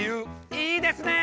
いいですね！